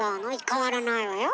変わらないわよ。